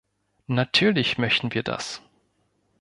Natürlich möchten wir das.